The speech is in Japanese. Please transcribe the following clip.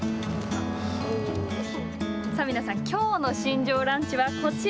さあ、皆さんきょうの新庄ランチはこちら。